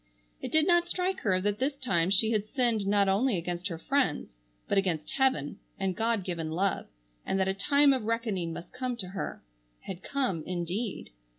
It did not strike her that this time she had sinned not only against her friends, but against heaven, and God given love, and that a time of reckoning must come to her,—had come, indeed.